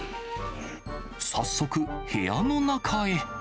早速、部屋の中へ。